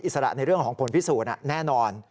สระในเรื่องของผลพิสูจน์แน่นอน